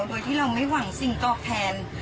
โดยที่เราไม่หวังสิ่งตอบแทน